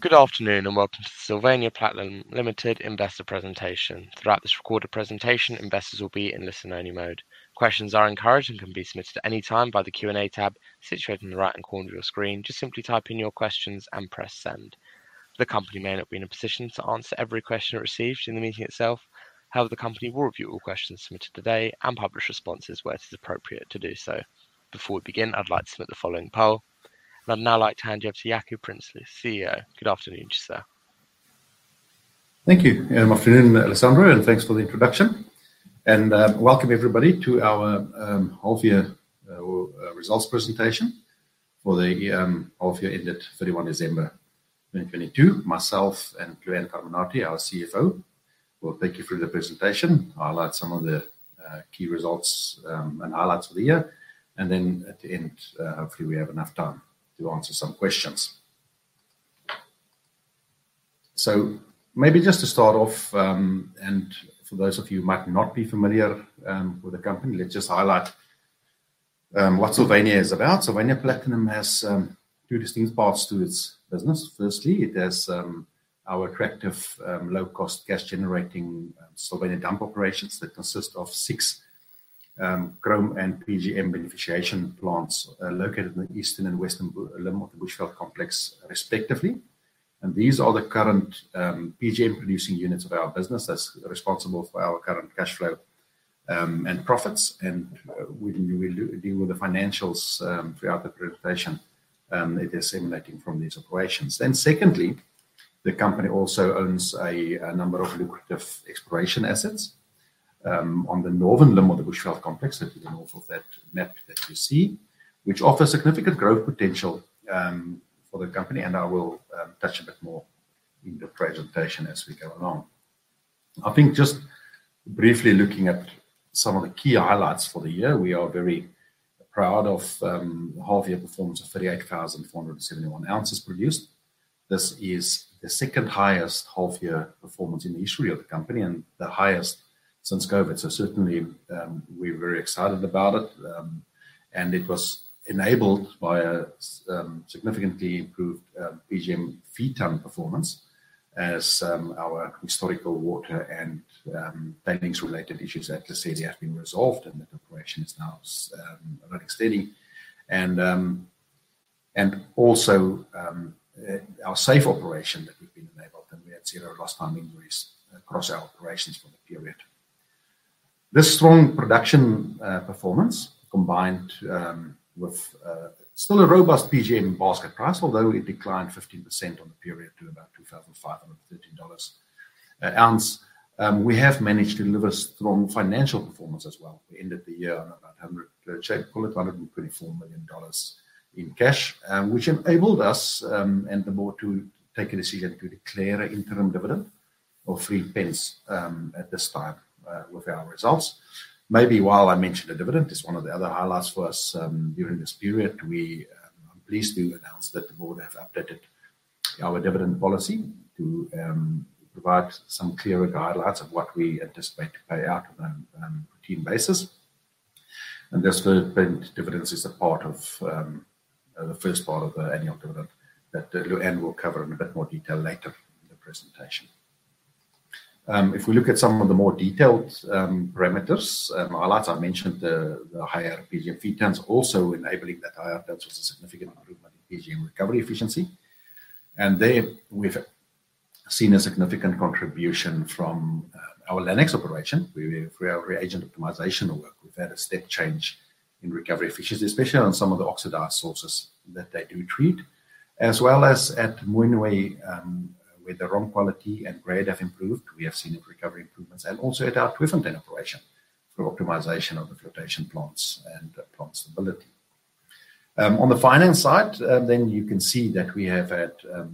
Good afternoon, and welcome to Sylvania Platinum Limited investor presentation. Throughout this recorded presentation, investors will be in listen-only mode. Questions are encouraged and can be submitted at any time by the Q&A tab situated in the right-hand corner of your screen. Just simply type in your questions and press send. The company may not be in a position to answer every question it received in the meeting itself. However, the company will review all questions submitted today and publish responses where it is appropriate to do so. Before we begin, I'd like to submit the following poll. I'd now like to hand you over to Jaco Prinsloo, CEO. Good afternoon to you, sir. Thank you. Afternoon, Alessandro, and thanks for the introduction. Welcome everybody to our half-year results presentation for the year half-year ended 31 December 2022. Myself and Lewanne Carminati, our CFO, will take you through the presentation, highlight some of the key results, and highlights for the year. Then at the end, hopefully, we have enough time to answer some questions. Maybe just to start off, and for those of you who might not be familiar with the company, let's just highlight what Sylvania is about. Sylvania Platinum has two distinct parts to its business. Firstly, it has our attractive low-cost cash-generating Sylvania Dump Operations that consist of six chrome and PGM beneficiation plants located in the eastern and western limb of the Bushveld Complex, respectively. These are the current PGM-producing units of our business that's responsible for our current cash flow and profits. We will deal with the financials throughout the presentation that they're stemming from these operations. Secondly, the company also owns a number of lucrative exploration assets, on the Northern Limb of the Bushveld Complex, that is the north of that map that you see, which offers significant growth potential for the company. I will touch a bit more in the presentation as we go along. I think just briefly looking at some of the key highlights for the year, we are very proud of half-year performance of 38,471 ounces produced. This is the second highest half-year performance in the history of the company and the highest since COVID. Certainly, we're very excited about it. It was enabled by a significantly improved PGM feed ton performance as our historical water and tailings related issues at Lesedi have been resolved, and the operation is now running steady. Our safe operation that we've been enabled, and we had zero lost time injuries across our operations for the period. This strong production performance combined with still a robust PGM basket price, although it declined 15% on the period to about $2,513 an ounce. We have managed to deliver strong financial performance as well. We ended the year on about $124 million in cash, which enabled us, and the board, to take a decision to declare an interim dividend of three pence at this time, with our results. Maybe while I mention the dividend is one of the other highlights for us during this period, we are pleased to announce that the board have updated our dividend policy to provide some clearer guidelines of what we anticipate to pay out on a routine basis. This GBP 0.03 dividend is a part of the first part of the annual dividend that Lewanne will cover in a bit more detail later in the presentation. If we look at some of the more detailed parameters, highlights, I mentioned the higher PGM feed tons also enabling that higher tons was a significant improvement in PGM recovery efficiency. There we've seen a significant contribution from our Lannex operation through our reagent optimization work. We've had a step change in recovery efficiency, especially on some of the oxidized sources that they do treat. As well as at Mooinooi, where the raw quality and grade have improved, we have seen recovery improvements and also at our Tweefontein operation through optimization of the flotation plants and plant stability. On the finance side, you can see that we have had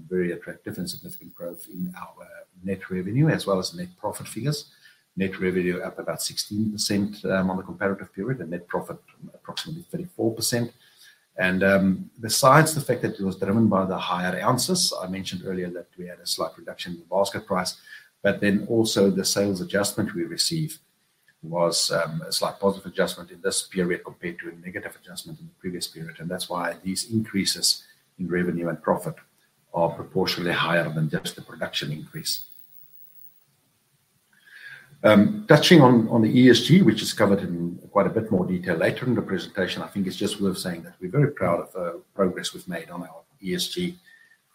very attractive and significant growth in our net revenue as well as net profit figures. Net revenue up about 16% on the comparative period and net profit approximately 34%. Besides the fact that it was driven by the higher ounces, I mentioned earlier that we had a slight reduction in the basket price, but then also the sales adjustment we received was a slight positive adjustment in this period compared to a negative adjustment in the previous period. That's why these increases in revenue and profit are proportionally higher than just the production increase. Touching on the ESG, which is covered in quite a bit more detail later in the presentation, I think it's just worth saying that we're very proud of the progress we've made on our ESG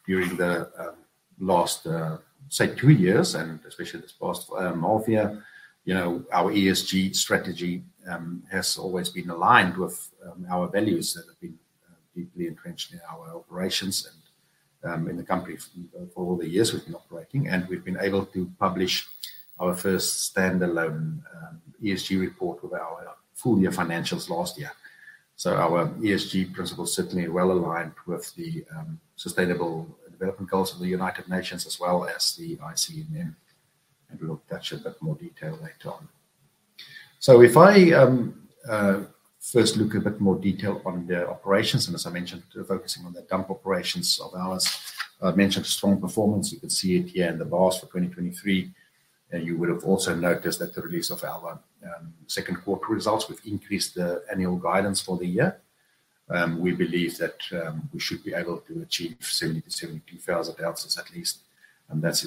during the last, say, two years and especially this past half year. Our ESG strategy has always been aligned with our values that have been deeply entrenched in our operations and in the company for all the years we've been operating. We've been able to publish our first standalone ESG report with our full-year financials last year. Our ESG principles certainly are well-aligned with the Sustainable Development Goals of the United Nations as well as the ICMM, and we'll touch a bit more detail later on. If I first look a bit more detail on the operations, and as I mentioned, focusing on the Dump Operations of ours. I've mentioned strong performance. You can see it here in the bars for 2023. You would have also noticed at the release of our second quarter results, we've increased the annual guidance for the year. We believe that we should be able to achieve 70,000 to 72,000 ounces at least. That's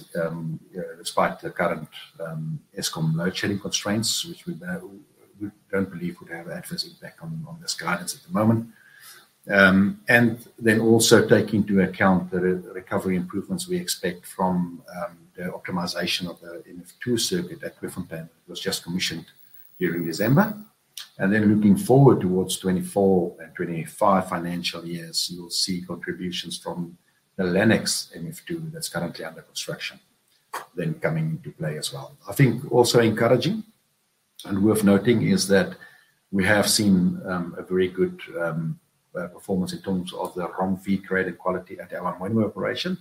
despite the current Eskom load shedding constraints, which we don't believe would have adverse impact on this guidance at the moment. Then also take into account the recovery improvements we expect from the optimization of the MF2 circuit at Klerksdorp that was just commissioned during December. Then looking forward towards 2024 and 2025 financial years, you will see contributions from the Lannex MF2 that's currently under construction, then coming into play as well. I think also encouraging and worth noting is that we have seen a very good performance in terms of the raw feed grade quality at our Mooinooi operation,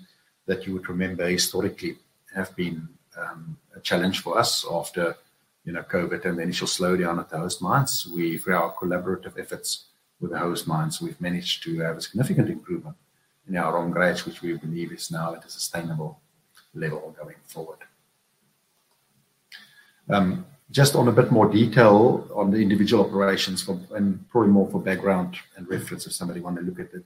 that you would remember historically have been a challenge for us after COVID and the initial slowdown at the host mines. We, through our collaborative efforts with the host mines, we've managed to have a significant improvement in our raw grades, which we believe is now at a sustainable level going forward. Just on a bit more detail on the individual operations, and probably more for background and reference if somebody want to look at it.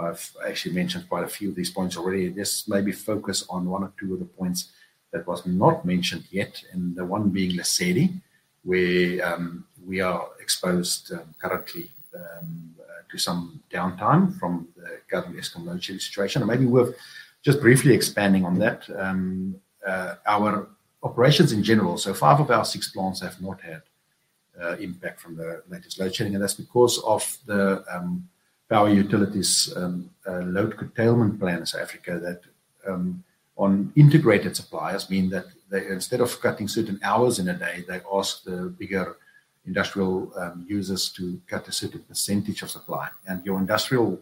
I've actually mentioned quite a few of these points already. Just maybe focus on one or two of the points that was not mentioned yet, and the one being Lesedi, where we are exposed currently to some downtime from the government Eskom load shedding situation. Maybe worth just briefly expanding on that. Our operations in general, so five of our six plants have not had impact from the latest load shedding, and that's because of the power utilities load curtailment plans for integrated suppliers mean that instead of cutting certain hours in a day, they ask the bigger industrial users to cut a certain percentage of supply. Our industrial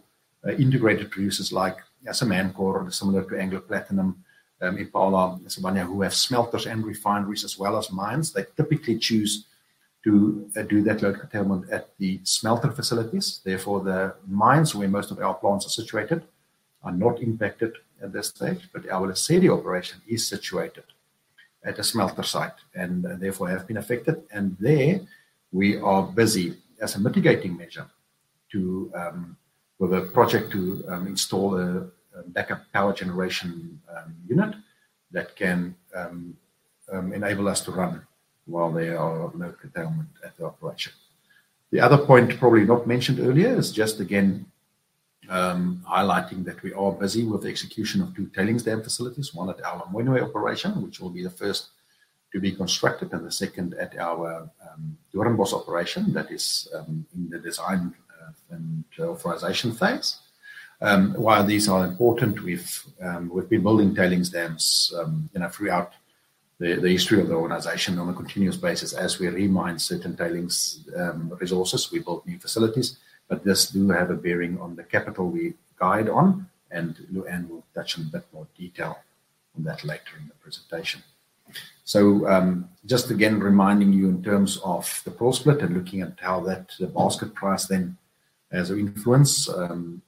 integrated producers like Samancor or similar to Anglo Platinum, Impala, who have smelters and refineries as well as mines, they typically choose to do that load curtailment at the smelter facilities. Therefore, the mines where most of our plants are situated are not impacted at this stage. Our Lesedi operation is situated at a smelter site and therefore has been affected. There we are busy as a mitigating measure with a project to install a backup power generation unit that can enable us to run while there are load curtailment at the operation. The other point probably not mentioned earlier is just again, highlighting that we are busy with the execution of two tailings dam facilities, one at our Mooinooi operation, which will be the first to be constructed and the second at our Doornbosch operation that is in the design and authorization phase. While these are important, we've been building tailings dams throughout the history of the organization on a continuous basis. As we remine certain tailings resources, we build new facilities, but this do have a bearing on the capital we guide on and Lewanne will touch on a bit more detail on that later in the presentation. Just again reminding you in terms of the 4E split and looking at how that basket price then has an influence.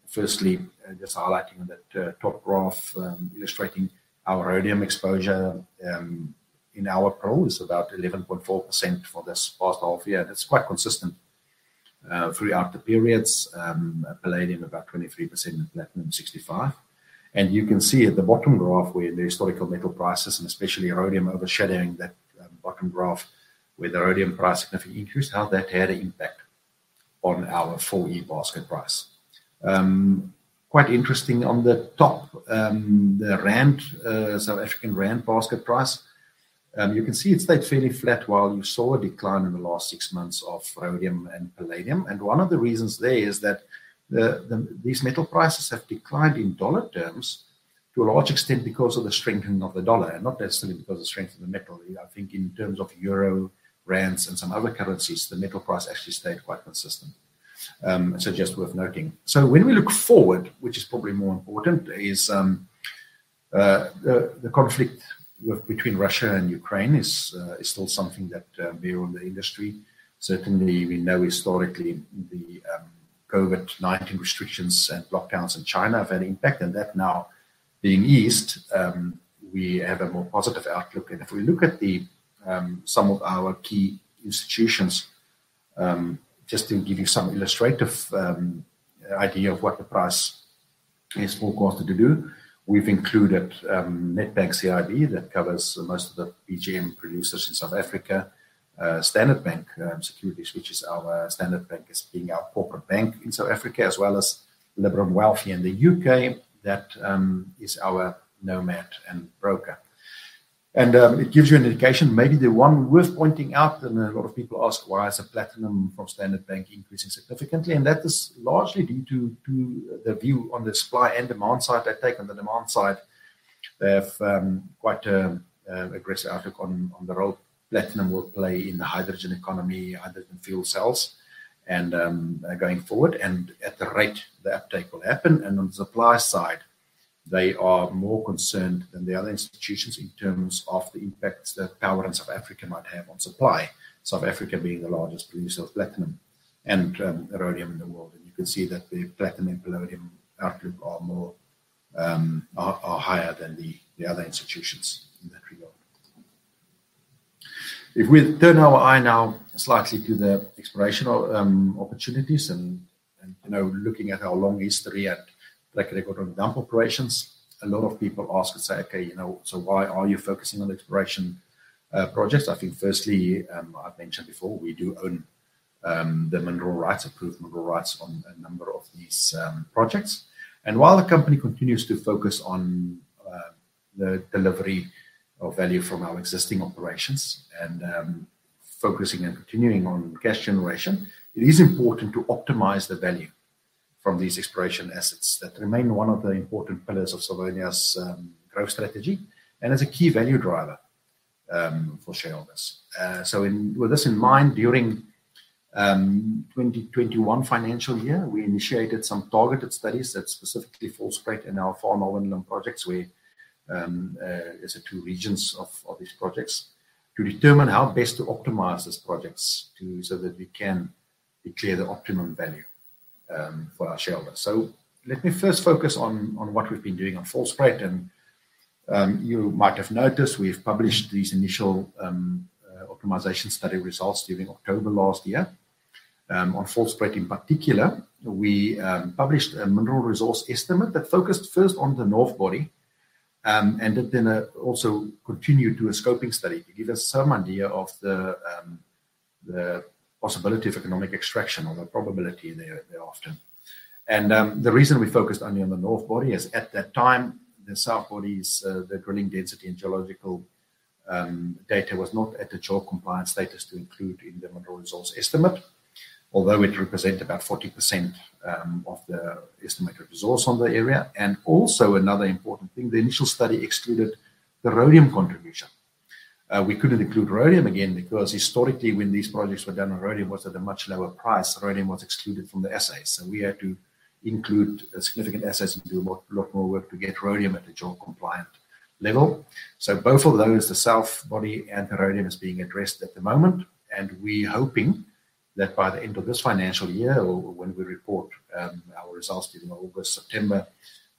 Firstly, just highlighting on that top graph, illustrating our rhodium exposure in our 4E is about 11.4% for this past half year. That's quite consistent throughout the periods. Palladium about 23%, platinum 65%. You can see at the bottom graph where the historical metal prices and especially rhodium overshadowing that bottom graph where the rhodium price significantly increased, how that had an impact on our full-year basket price. Quite interesting on the top, the South African rand basket price. You can see it stayed fairly flat while you saw a decline in the last six months of rhodium and palladium. One of the reasons there is that these metal prices have declined in dollar terms to a large extent because of the strengthening of the dollar, and not necessarily because of strength of the metal. I think in terms of euro, rands, and some other currencies, the metal price actually stayed quite consistent. Just worth noting. When we look forward, which is probably more important, is the conflict between Russia and Ukraine is still something that bear on the industry. Certainly, we know historically the COVID-19 restrictions and lockdowns in China have had impact, and that now being eased, we have a more positive outlook. If we look at some of our key institutions, just to give you some illustrative idea of what the price is forecasted to do. We've included Nedbank CIB that covers most of the PGM producers in South Africa. Standard Bank Securities, which is our Standard Bank as being our corporate bank in South Africa, as well as Liberum Capital in the U.K., that is our Nomad and broker. It gives you an indication, maybe the one worth pointing out, and a lot of people ask why is the platinum from Standard Bank increasing significantly? That is largely due to the view on the supply and demand side. Taking on the demand side, they have quite an aggressive outlook on the role platinum will play in the hydrogen economy, hydrogen fuel cells going forward and at the rate the uptake will happen. On the supply side, they are more concerned than the other institutions in terms of the impacts that power in South Africa might have on supply. South Africa being the largest producer of platinum and rhodium in the world. You can see that the platinum and palladium outlook are higher than the other institutions in that regard. If we turn our eye now slightly to the exploration opportunities and looking at our long history at Bushveld dump operations, a lot of people ask us, "Okay, so why are you focusing on exploration projects?" I think firstly, I've mentioned before, we do own the mineral rights, approved mineral rights on a number of these projects. While the company continues to focus on the delivery of value from our existing operations and focusing and continuing on cash generation, it is important to optimize the value from these exploration assets that remain one of the important pillars of Sylvania's growth strategy and as a key value driver for shareholders. With this in mind, during 2021 financial year, we initiated some targeted studies that specifically falls right in our Far Northern Limb and Lannex projects, which are the two regions of these projects, to determine how best to optimize these projects so that we can declare the optimum value for our shareholders. Let me first focus on what we've been doing on Volspruit. You might have noticed we've published these initial optimization study results during October last year. On Volspruit in particular, we published a mineral resource estimate that focused first on the North body, and it then also continued to do a scoping study to give us some idea of the possibility of economic extraction or the probability thereafter. The reason we focused only on the North body is at that time, the South body’s drilling density and geological data was not at the JORC compliance status to include in the mineral resource estimate. Although it represent about 40% of the estimated resource on the area. Another important thing, the initial study excluded the rhodium contribution. We couldn't include rhodium again, because historically when these projects were done, rhodium was at a much lower price. Rhodium was excluded from the assays. We had to include significant assets and do a lot more work to get rhodium at the JORC compliant level. Both of those, the South body and the rhodium is being addressed at the moment. We're hoping that by the end of this financial year or when we report our results during August, September,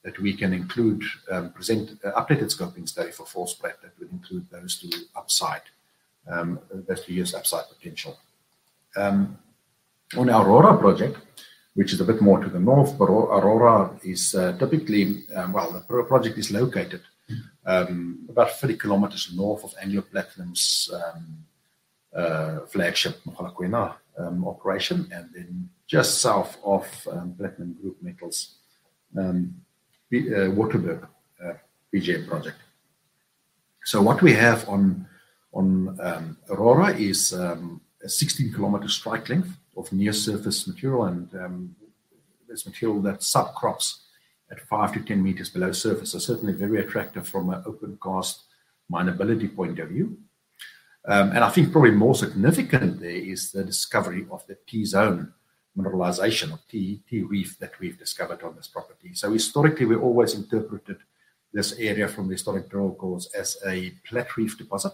that we can include, present updated scoping study for Volspruit that would include those two upside, that we use upside potential. On our Aurora project, which is a bit more to the north, but Aurora is typically. Well, the project is located about 30 km north of Anglo Platinum's flagship Mogalakwena operation, and then just south of Platinum Group Metals Waterberg PGM project. What we have on Aurora is a 16-km strike length of near-surface material, and there's material that subcrops at 5 to 10 meters below surface. Certainly very attractive from an open-cast minability point of view. I think probably more significant there is the discovery of the T-Zone mineralization or T reef that we've discovered on this property. Historically, we always interpreted this area from the historic drill cores as a Platreef deposit.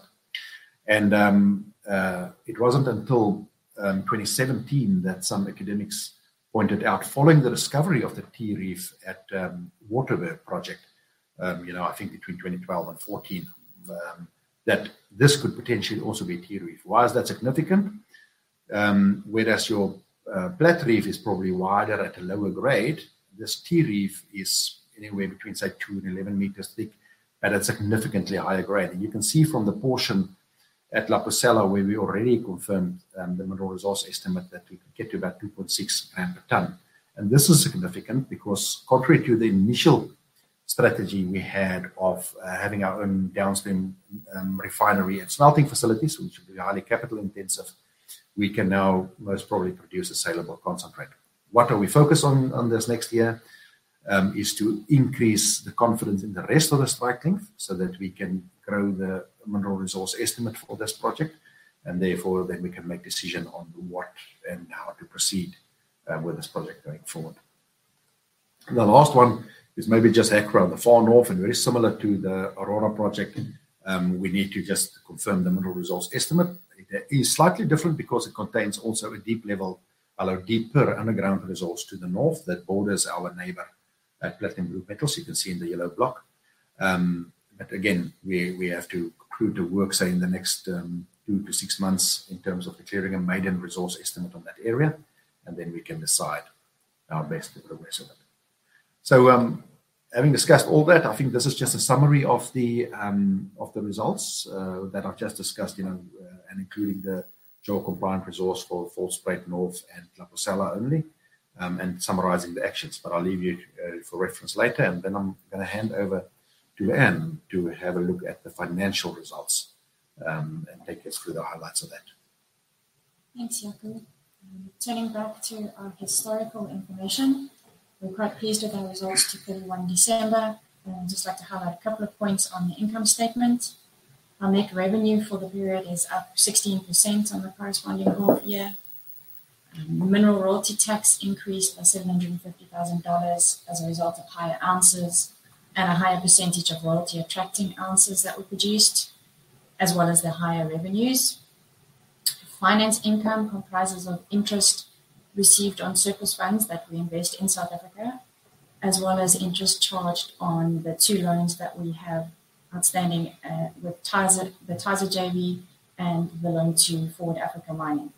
It wasn't until 2017 that some academics pointed out following the discovery of the T-Zone at Waterberg project, I think between 2012 and 2014, that this could potentially also be T-Zone. Why is that significant? Whereas your Platreef is probably wider at a lower grade, this T-Zone is anywhere between, say, 2 and 11 meters thick at a significantly higher grade. You can see from the portion at La Pucella, where we already confirmed the mineral resource estimate, that we could get to about 2.6 gram per ton. This is significant because contrary to the initial strategy we had of having our own downstream refinery and smelting facilities, which would be highly capital intensive, we can now most probably produce a saleable concentrate. What we are focused on for this next year is to increase the confidence in the rest of the strike length so that we can grow the mineral resource estimate for this project, and therefore, then we can make decision on what and how to proceed with this project going forward. The last one is maybe just Hacra in the far North, and very similar to the Aurora project. We need to just confirm the mineral resource estimate. It is slightly different because it contains also a deep level, although deeper underground resource to the North that borders our neighbor at Platinum Group Metals, you can see in the yellow block. Again, we have to conclude the work, say, in the next two to six months in terms of declaring a maiden resource estimate on that area, and then we can decide our best way forward. Having discussed all that, I think this is just a summary of the results that I've just discussed, and including the JORC compliant resource for Volspruit North and La Pucella only, and summarizing the actions. I'll leave you for reference later. Then I'm going to hand over to Lewanne to have a look at the financial results, and take us through the highlights of that. Thanks, Jaco. Turning back to our historical information. We're quite pleased with our results to 31 December. I'd just like to highlight a couple of points on the income statement. Our net revenue for the period is up 16% on the corresponding whole year. Mineral royalty tax increased by $750,000 as a result of higher ounces and a higher percentage of royalty attracting ounces that were produced, as well as the higher revenues. Finance income comprises of interest received on surplus funds that we invest in South Africa, as well as interest charged on the two loans that we have outstanding with the Thaba JV and the loan to Forward Africa Mining.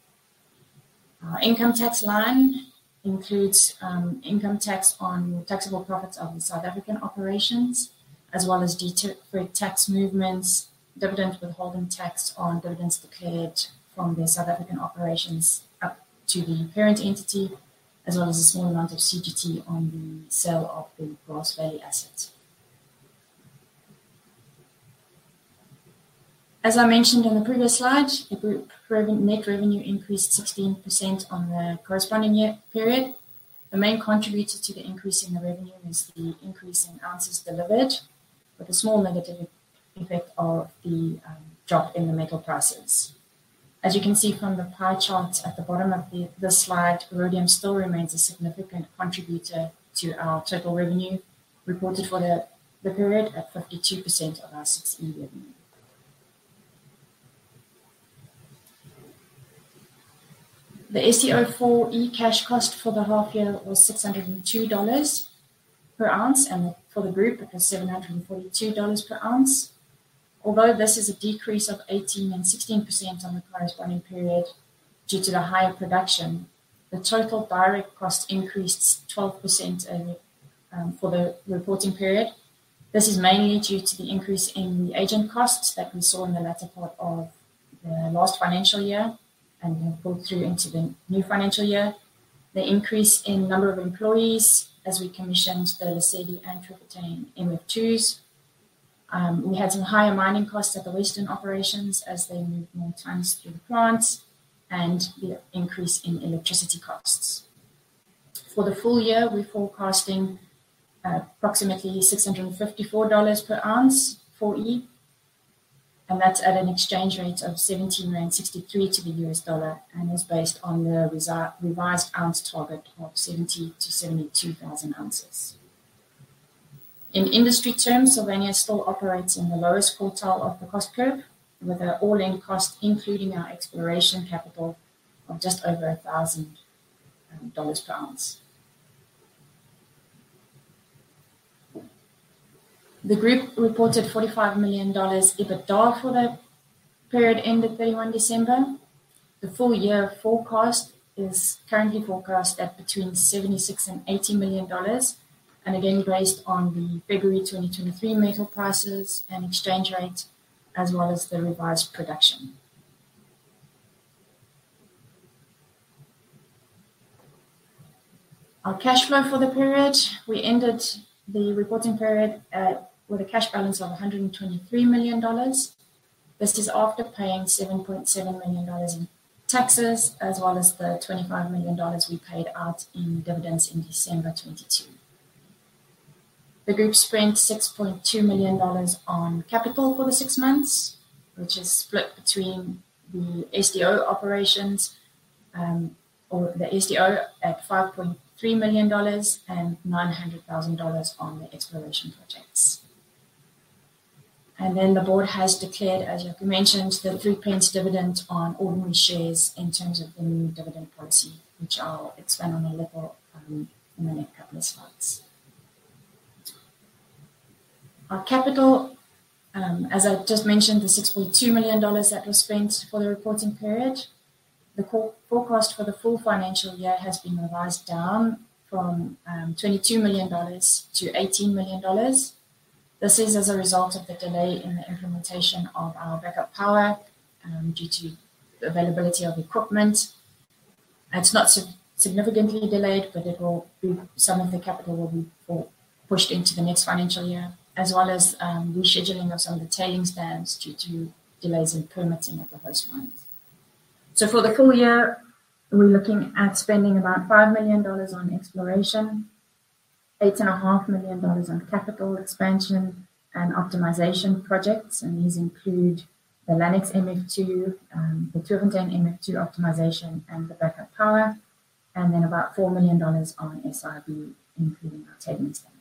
Income tax line includes income tax on taxable profits of the South African operations, as well as deferred tax movements, dividend withholding tax on dividends declared from the South African operations up to the parent entity, as well as a small amount of CGT on the sale of the Grasvally assets. As I mentioned on the previous slide, the group net revenue increased 16% on the corresponding year period. The main contributor to the increase in the revenue is the increase in ounces delivered with a small negative impact of the drop in the metal prices. As you can see from the pie chart at the bottom of this slide, iridium still remains a significant contributor to our total revenue, reported for the period at 52% of our 6E revenue. The SDO for 4E cash cost for the half year was $602 per ounce, and for the group it was $742 per ounce. Although this is a decrease of 18% and 16% on the corresponding period due to the higher production, the total direct cost increased 12% for the reporting period. This is mainly due to the increase in the wage costs that we saw in the latter part of the last financial year, and then pulled through into the new financial year, the increase in number of employees as we commissioned the Lannex and Tweefontein MF2s, we had some higher mining costs at the Western operations as they moved more tons through the plants, and the increase in electricity costs. For the full year, we're forecasting approximately $654 per ounce 4E, and that's at an exchange rate of R17.63 to the US dollar and is based on the revised ounce target of 70,000 to 72,000 ounces. In industry terms, Sylvania still operates in the lowest quartile of the cost curve with an all-in cost, including our exploration capital of just over $1,000 per ounce. The group reported $45 million EBITDA for the period ending 31 December. The full year forecast is currently forecast at between $76 to 80 million, and again, based on the February 2023 metal prices and exchange rate, as well as the revised production. Our cash flow for the period, we ended the reporting period with a cash balance of $123 million. This is after paying $7.7 million in taxes, as well as the $25 million we paid out in dividends in December 2022. The group spent $6.2 million on capital for the six months, which is split between the SDO operations or the SDO at $5.3 million and $900,000 on the exploration projects. Then the board has declared, as Jaco mentioned, the three pence dividend on ordinary shares in terms of the new dividend policy, which I'll expand on a little in the next couple of slides. Our capital, as I've just mentioned, the $6.2 million that was spent for the reporting period. The forecast for the full financial year has been revised down from $22 to 18 million. This is as a result of the delay in the implementation of our backup power, due to availability of equipment. It's not significantly delayed, but some of the capital will be pushed into the next financial year, as well as rescheduling of some of the tailings dams due to delays in permitting at the host mines. For the full year, we're looking at spending about $5 million on exploration, $8.5 million on capital expansion and optimization projects. These include the Lannex MF2, the Tweefontein MF2 optimization and the backup power, and then about $4 million on SIB, including our tailings dams.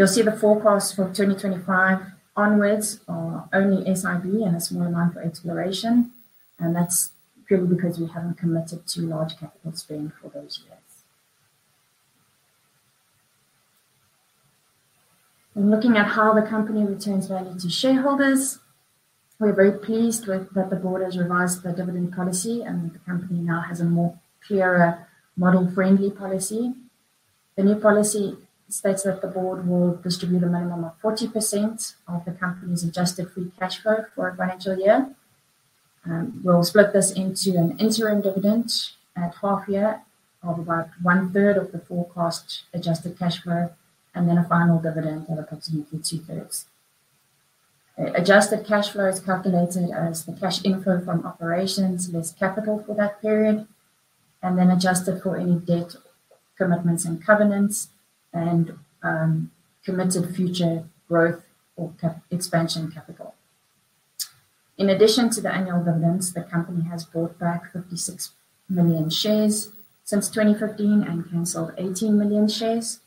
You'll see the forecast for 2025 onwards are only SIB and a small amount for exploration. That's purely because we haven't committed to large capital spend for those years. In looking at how the company returns value to shareholders, we're very pleased with that the board has revised the dividend policy, and the company now has a more clearer model-friendly policy. The new policy states that the board will distribute a minimum of 40% of the company's adjusted free cash flow for a financial year. We'll split this into an interim dividend at half year of about one-third of the forecast adjusted cash flow, and then a final dividend of approximately two-thirds. Adjusted cash flow is calculated as the cash inflow from operations less capital for that period, and then adjusted for any debt commitments and covenants and committed future growth or expansion capital. In addition to the annual dividends, the company has bought back 56 million shares since 2015 and canceled 18 million shares.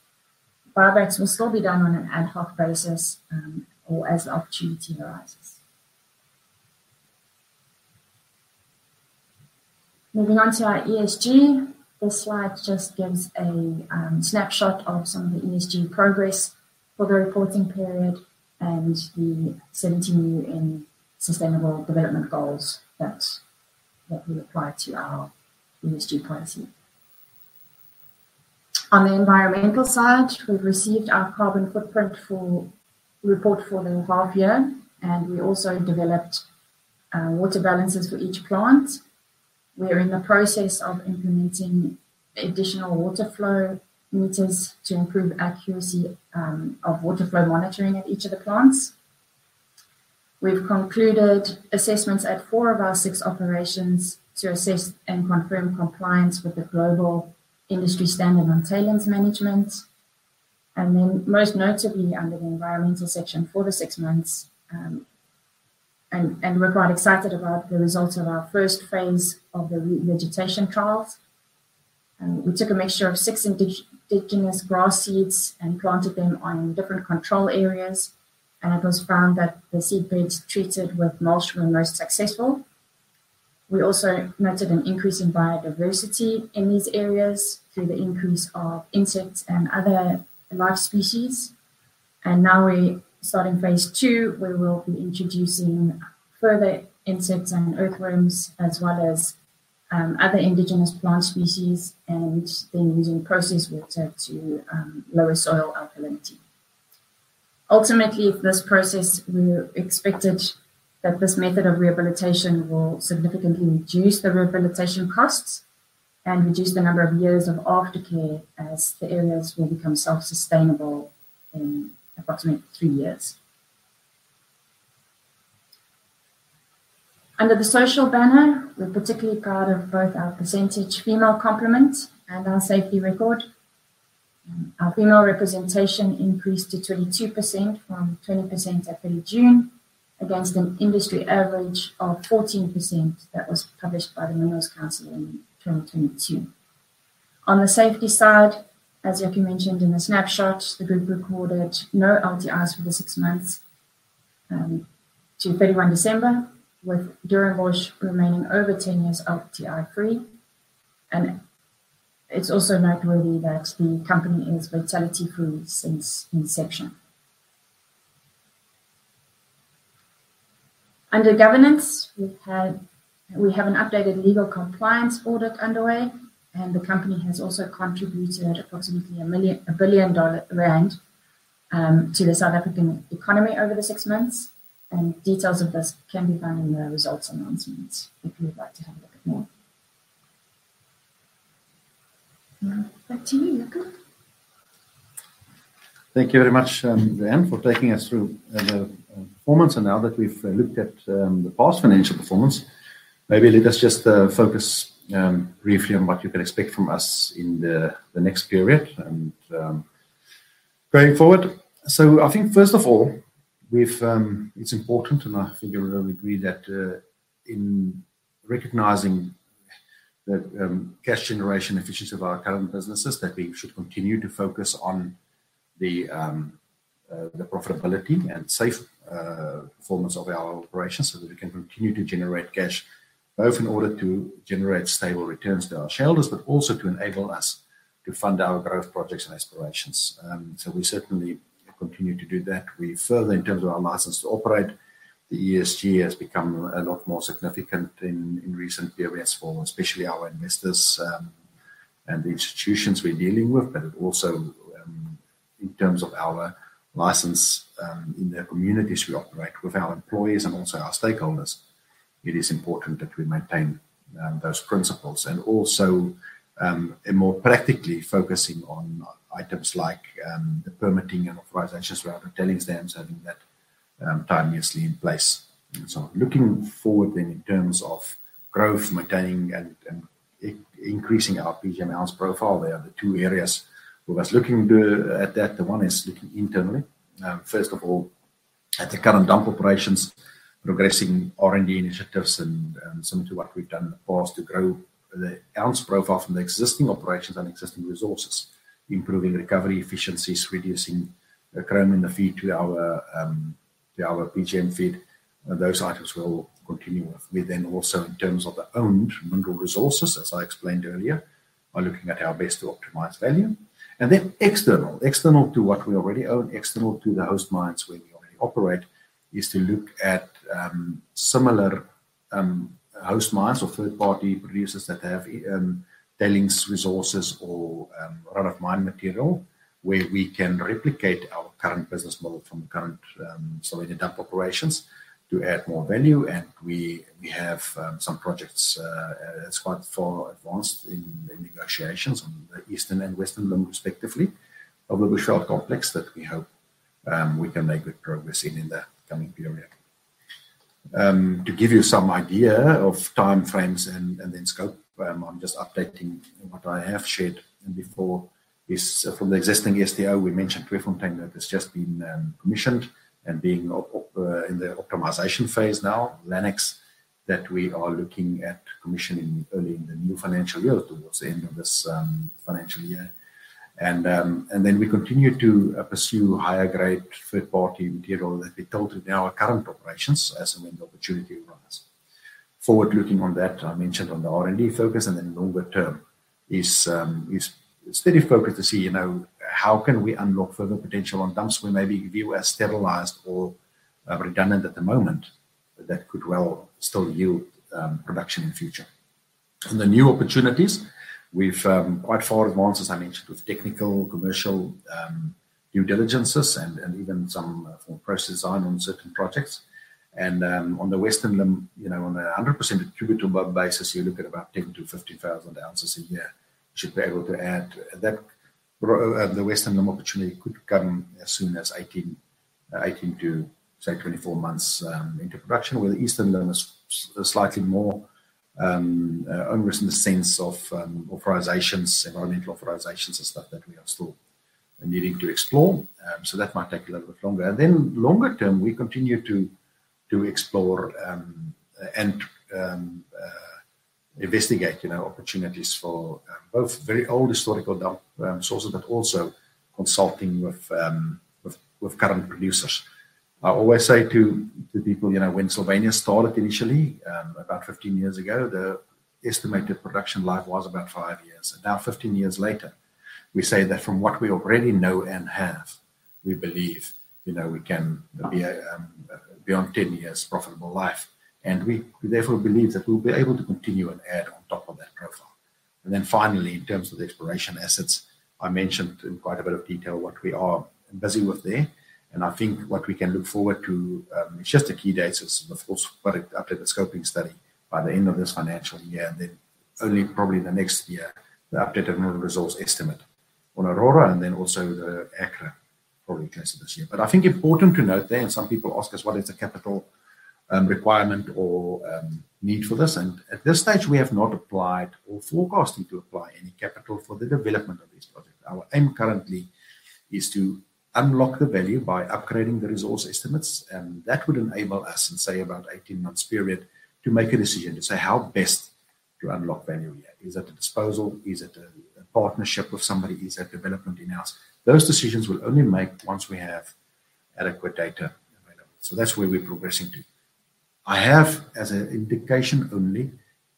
Buybacks will still be done on an ad hoc basis or as the opportunity arises. Moving on to our ESG. This slide just gives a snapshot of some of the ESG progress for the reporting period and the 17 Sustainable Development Goals that will apply to our ESG policy. On the environmental side, we've received our carbon footprint report for the involved year, and we also developed water balances for each plant. We are in the process of implementing additional water flow meters to improve accuracy of water flow monitoring at each of the plants. We've concluded assessments at four of our six operations to assess and confirm compliance with the global industry standard on tailings management. Most notably under the environmental section for the six months, we're quite excited about the results of our first phase of the re-vegetation trials. We took a mixture of six indigenous grass seeds and planted them on different control areas, and it was found that the seedbeds treated with mulch were most successful. We also noted an increase in biodiversity in these areas through the increase of insects and other large species. Now we're starting phase two, where we'll be introducing further insects and earthworms, as well as other indigenous plant species, and then using processed water to lower soil alkalinity. Ultimately, this process, we expect that this method of rehabilitation will significantly reduce the rehabilitation costs and reduce the number of years of aftercare as the areas will become self-sustainable in approximately three years. Under the social banner, we're particularly proud of both our percentage female complement and our safety record. Our female representation increased to 22% from 20% at 30 June, against an industry average of 14% that was published by the Minerals Council in 2022. On the safety side, as Jaco mentioned in the snapshot, the group recorded no LTIs for the six months to 31 December, with Doornbosch remaining over 10 years LTI-free. It's also noteworthy that the company is fatality free since inception. Under governance, we have an updated legal compliance audit underway, and the company has also contributed approximately ZAR 1 billion to the South African economy over the six months, and details of this can be found in the results announcements if you would like to have a look at more. Back to you, Luca. Thank you very much, Lewanne, for taking us through the performance. Now that we've looked at the past financial performance, maybe let us just focus briefly on what you can expect from us in the next period and going forward. I think first of all, it's important, and I figure you'll agree that, in recognizing that cash generation efficiency of our current businesses, that we should continue to focus on the profitability and safe performance of our operations, so that we can continue to generate cash, both in order to generate stable returns to our shareholders, but also to enable us to fund our growth projects and explorations. We certainly continue to do that. We further, in terms of our license to operate, the ESG has become a lot more significant in recent years for especially our investors and the institutions we're dealing with, but also in terms of our license in the communities we operate with our employees and also our stakeholders. It is important that we maintain those principles. Also, more practically focusing on items like the permitting and authorizations around the tailings dams, having that timeously in place. Looking forward then in terms of growth, maintaining and increasing our PGM ounce profile, they are the two areas. With us looking at that, one is looking internally. First of all, at the current dump operations, progressing R&D initiatives and similar to what we've done in the past to grow the ounce profile from the existing operations and existing resources, improving recovery efficiencies, reducing chrome in the feed to our PGM feed, those items we'll continue with. We then also, in terms of the owned mineral resources, as I explained earlier, are looking at how best to optimize value. External to what we already own, external to the host mines where we already operate, is to look at similar host mines or third-party producers that have tailings resources or run-of-mine material where we can replicate our current business model from the current slag and dump operations to add more value. We have some projects that's quite far advanced in negotiations on the Eastern and Western Limb, respectively, of the Bushveld Complex that we hope we can make good progress in the coming period. To give you some idea of time frames and then scope, I'm just updating what I have shared before is from the existing SDO we mentioned, Tweefontein, that has just been commissioned and being in the optimization phase now. Lannex. That we are looking at commissioning early in the new financial year towards the end of this financial year. We continue to pursue higher grade third-party material that we toll in our current operations as and when the opportunity arises. forward on that, I mentioned on the R&D focus and then longer term is steady focus to see how we can unlock further potential on dumps we maybe view as stabilized or redundant at the moment. That could well still yield production in future. On the new opportunities, we've advanced quite far, as I mentioned, with technical and commercial due diligence and even some form of process design on certain projects. On the western limb, on a 100% attributable basis, you look at about 10,000 to 15,000 ounces a year. Should be able to add that the western limb opportunity could come as soon as 18 to 24 months into production. Where the eastern limb is slightly more onerous in the sense of authorizations, environmental authorizations and stuff that we are still needing to explore. That might take a little bit longer. Then longer term, we continue to explore and investigate opportunities for both very old historical dump sources but also consulting with current producers. I always say to people when Sylvania started initially about 15 years ago, the estimated production life was about five years. Now 15 years later, we say that from what we already know and have, we believe we can be beyond 10 years' profitable life. We therefore believe that we'll be able to continue and add on top of that profile. Then finally, in terms of the exploration assets, I mentioned in quite a bit of detail what we are busy with there. I think what we can look forward to, it's just the key dates of course, but updated scoping study by the end of this financial year and then only probably in the next year the updated mineral resource estimate on Aurora and then also the Hacra probably closer to this year. I think it's important to note there, and some people ask us what is the capital requirement or need for this. At this stage we have not applied or forecasted to apply any capital for the development of this project. Our aim currently is to unlock the value by upgrading the resource estimates and that would enable us in, say, about 18 months period to make a decision to say how best to unlock value here. Is it a disposal? Is it a partnership with somebody? Is that development in-house? Those decisions we'll only make once we have adequate data available. That's where we're progressing to. I have, as an indication only,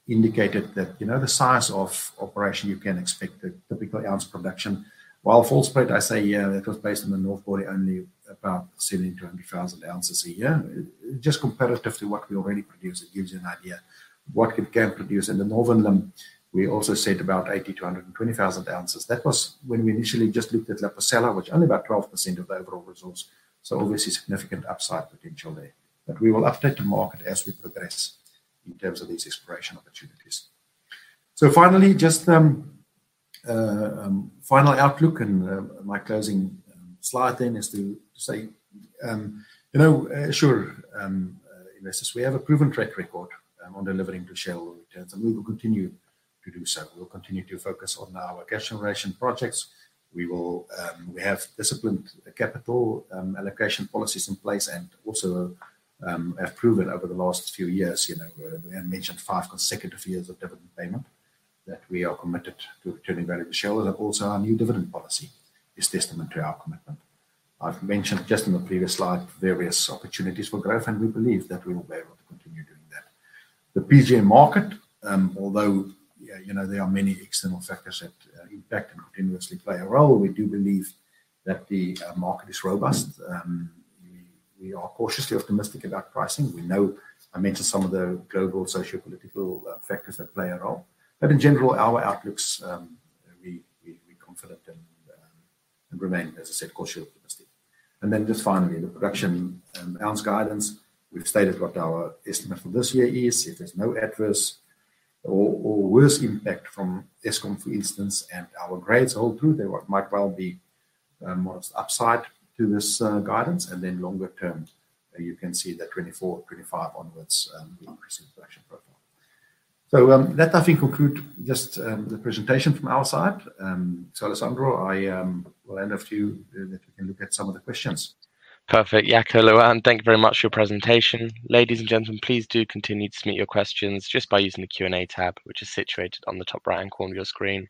indicated that the size of operation you can expect the typical ounce production while Volspruit I say, yeah, that was based on the North Body only about 70,000 to 100,000 ounces a year. Just comparatively what we already produce, it gives you an idea what we can produce in the Northern Limb. We also said about 80,000 to 120,000 ounces. That was when we initially just looked at La Pucella, which only about 12% of the overall resource, so obviously significant upside potential there. We will update the market as we progress in terms of these exploration opportunities. Finally, just final outlook and my closing slide then is to say sure, investors, we have a proven track record on delivering to shareholder returns and we will continue to do so. We'll continue to focus on our cash generation projects. We have disciplined capital allocation policies in place and also have proven over the last few years, we have mentioned five consecutive years of dividend payment that we are committed to returning value to shareholders and also our new dividend policy is testament to our commitment. I've mentioned just in the previous slide various opportunities for growth, and we believe that we will be able to continue doing that. The PGM market, although there are many external factors that impact and continuously play a role, we do believe that the market is robust. We are cautiously optimistic about pricing. We know I mentioned some of the global socio-political factors that play a role, but in general our outlook's, we're confident and remain, as I said, cautiously optimistic. Then just finally, the production ounce guidance. We've stated what our estimate for this year is. If there's no adverse or worse impact from Eskom, for instance, and our grades hold through, there might well be more upside to this guidance. Longer term, you can see that 2024, 2025 onwards the increased production profile. That I think concludes just the presentation from our side. Alessandro, I will hand over to you then if we can look at some of the questions. Perfect. Jaco, Lewanne. Thank you very much for your presentation. Ladies and gentlemen, please do continue to submit your questions just by using the Q&A tab, which is situated on the top right corner of your screen.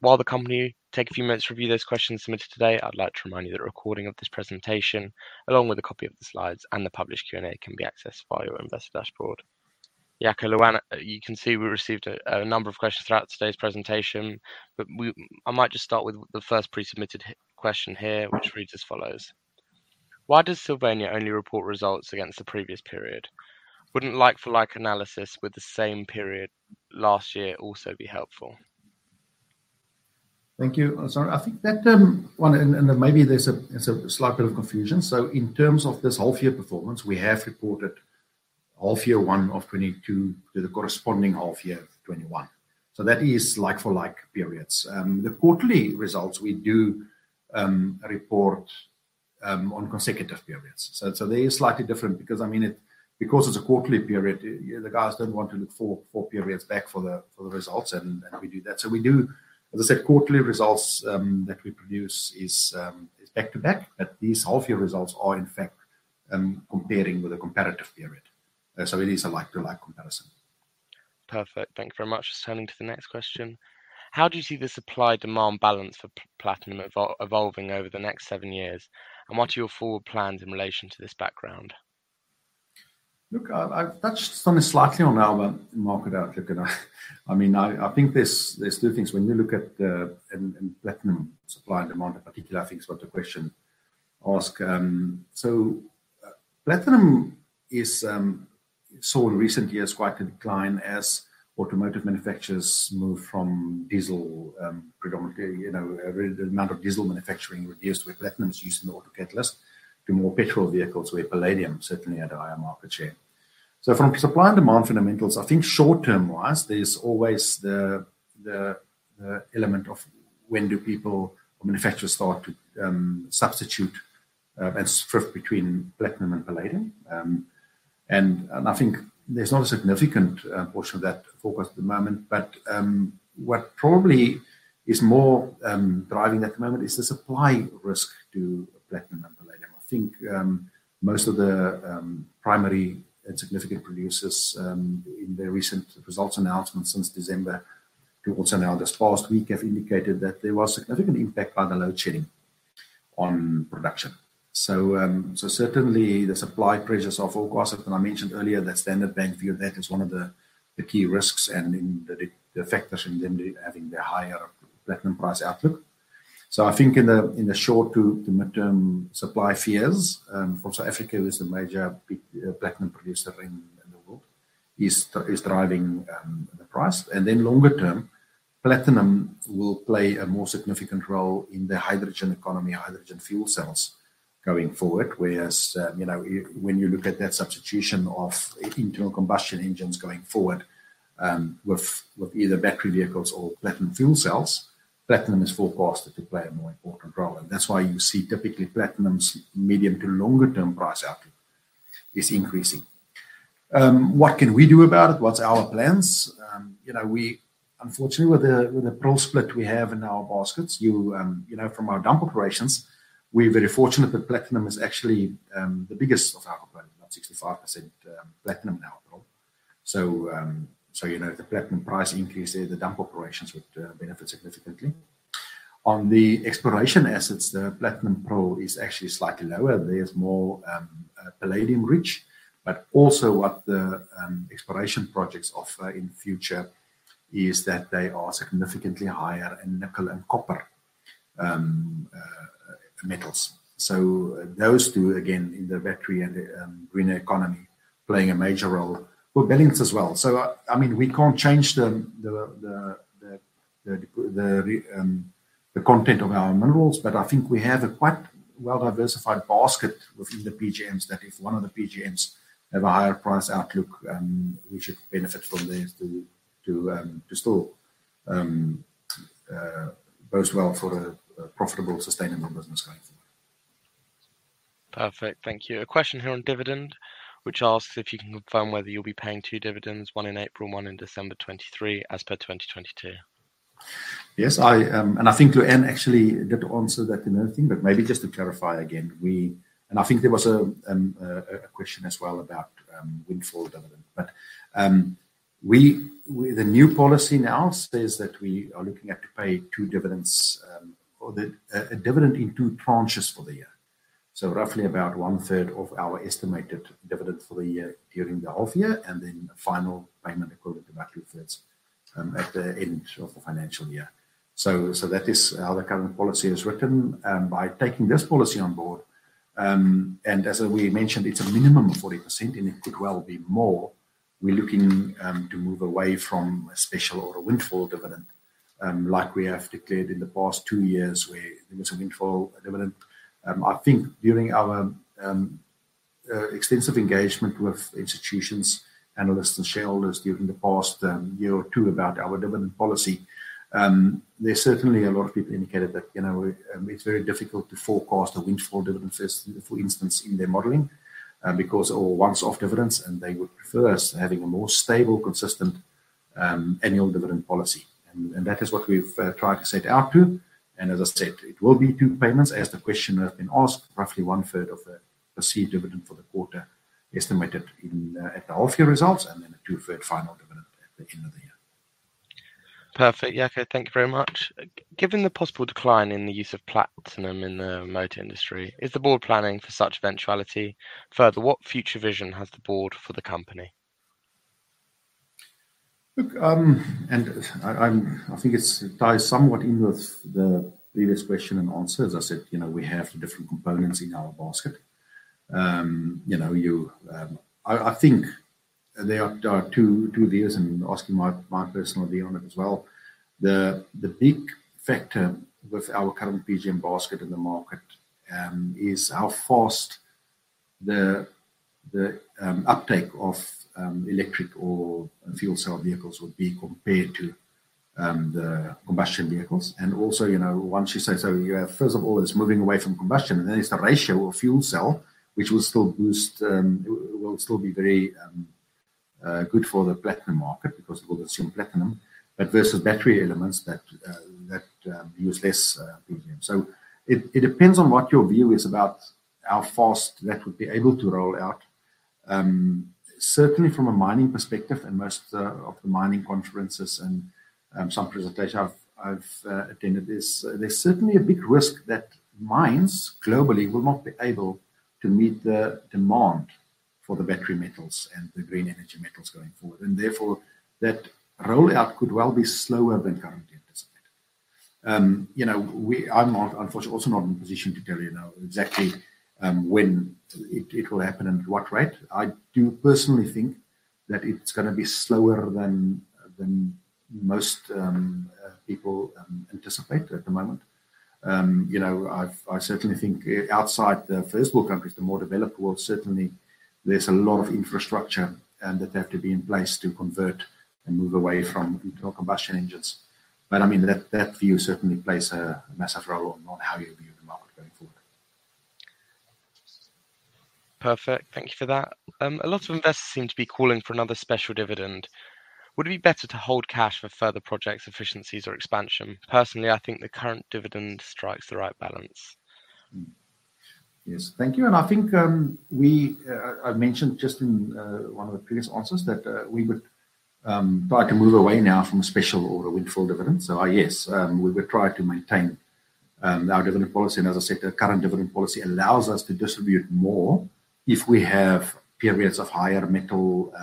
While the company take a few minutes to review those questions submitted today, I'd like to remind you that a recording of this presentation, along with a copy of the slides and the published Q&A, can be accessed via your investor dashboard. Jaco, Lewanne, you can see we received a number of questions throughout today's presentation. I might just start with the first pre-submitted question here, which reads as follows. Why does Sylvania only report results against the previous period? Wouldn't like for like analysis with the same period last year also be helpful? Thank you, Alessandro. I think that one, and maybe there's a slight bit of confusion. In terms of this half year performance, we have reported half year one of 2022 to the corresponding half year of 2021. That is like for like periods. The quarterly results we do report on consecutive periods. They are slightly different because it's a quarterly period. The guys don't want to look four periods back for the results and we do that. We do, as I said, quarterly results that we produce is back to back. These half year results are in fact comparing with a comparative period. It is a like to like comparison. Perfect. Thank you very much. Just turning to the next question. How do you see the supply-demand balance for platinum evolving over the next seven years, and what are your forward plans in relation to this background? Look, I've touched on this slightly on our market outlook. I think there's two things when you look at the platinum supply and demand in particular. I think is what the question asks. Platinum has seen in recent years quite a decline as automotive manufacturers move from diesel predominantly. The amount of diesel manufacturing reduced with platinum's use in the auto catalyst to more gasoline vehicles, where palladium certainly had a higher market share. From supply and demand fundamentals, I think short-term wise, there's always the element of when do people or manufacturers start to substitute and shift between platinum and palladium. I think there's not a significant portion of that forecast at the moment. What probably is more driving at the moment is the supply risk to platinum and palladium. I think most of the primary and significant producers in their recent results announcements since December, who also announced this past week, have indicated that there was significant impact by the load shedding on production. Certainly the supply pressures are forecasted, and I mentioned earlier that Standard Bank view that as one of the key risks and the factors in them having their higher platinum price outlook. I think in the short to the midterm supply fears from South Africa, who is the major big platinum producer in the world, is driving the price. Longer term, platinum will play a more significant role in the hydrogen economy, hydrogen fuel cells going forward. Whereas, when you look at that substitution of internal combustion engines going forward, with either battery vehicles or platinum fuel cells, platinum is fore-casted to play a more important role. That's why you see typically platinum's medium- to longer-term price outlook is increasing. What can we do about it? What's our plans? Unfortunately, with the PGM split we have in our baskets, from our dump operations, we're very fortunate that platinum is actually the biggest of our component, about 65% platinum in our PGM. If the platinum price increases, the dump operations would benefit significantly. On the exploration assets, the platinum PGM is actually slightly lower. There's more palladium rich. But also what the exploration projects offer in future is that they are significantly higher in nickel and copper metals. Those two, again, in the battery and the green economy, playing a major role. Palladium as well. We can't change the content of our minerals, but I think we have a quite well-diversified basket within the PGMs that if one of the PGMs have a higher price outlook, we should benefit from these to still post well for a profitable, sustainable business going forward. Perfect. Thank you. A question here on dividend, which asks if you can confirm whether you'll be paying two dividends, one in April, one in December 2023, as per 2022. Yes. I think Lewanne actually did answer that in her thing, but maybe just to clarify again, I think there was a question as well about windfall dividend. The new policy now says that we are looking at to pay two dividends, or a dividend in two tranches for the year. Roughly about one third of our estimated dividend for the year during the half year, and then a final payment equivalent about two thirds, at the end of the financial year. That is how the current policy is written. By taking this policy on board, and as we mentioned, it's a minimum of 40%, and it could well be more. We're looking to move away from a special or a windfall dividend, like we have declared in the past two years where there was a windfall dividend. I think during our extensive engagement with institutions, analysts, and shareholders during the past year or two about our dividend policy, there's certainly a lot of people indicated that it's very difficult to forecast a windfall dividend, for instance, in their modeling, because they're once off dividends and they would prefer us having a more stable, consistent, annual dividend policy. That is what we've tried to set out to do. As I said, it will be two payments as the question has been asked, roughly one third of the received dividend for the quarter estimated at the half year results, and then a two-thirds final dividend at the end of the year. Perfect. Jaco, thank you very much. Given the possible decline in the use of platinum in the motor industry, is the board planning for such eventuality? Further, what future vision has the board for the company? Look, I think it ties somewhat in with the previous question and answers. I said, we have different components in our basket. I think there are two views and asking my personal view on it as well. The big factor with our current PGM basket in the market is how fast the uptake of electric or fuel cell vehicles would be compared to the combustion vehicles. Also, once you say so, you have, first of all, it's moving away from combustion, and then it's the ratio of fuel cell, which will still be very good for the platinum market because it will consume platinum, but versus battery elements that use less PGM. It depends on what your view is about how fast that would be able to roll out. Certainly, from a mining perspective and most of the mining conferences and some presentations I've attended, there's certainly a big risk that mines globally will not be able to meet the demand for the battery metals and the green energy metals going forward, and therefore that rollout could well be slower than currently anticipated. I'm also not in a position to tell you now exactly when it will happen and at what rate. I do personally think that it's going to be slower than most people anticipate at the moment. I certainly think outside the first world countries, the more developed world, certainly there's a lot of infrastructure that have to be in place to convert and move away from internal combustion engines. That view certainly plays a massive role on how you view the market going forward. Perfect. Thank you for that. A lot of investors seem to be calling for another special dividend. Would it be better to hold cash for further projects, efficiencies, or expansion? Personally, I think the current dividend strikes the right balance. Yes. Thank you. I think I mentioned just in one of the previous answers that we would try to move away now from a special or a windfall dividend. Yes, we would try to maintain our dividend policy, and as I said, the current dividend policy allows us to distribute more. If we have periods of higher metal